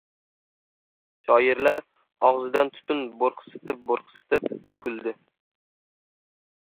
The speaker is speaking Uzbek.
Shoirlar og‘zidan tutun burqsitib-burqsitib kuldi.